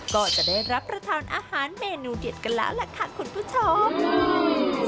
ก็จะได้รับประทานอาหารเมนูเด็ดกันแล้วล่ะค่ะคุณผู้ชม